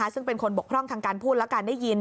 ซึ่งเป็นคนบกพร่องทางการพูดและการได้ยิน